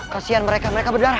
kasian mereka mereka berdarah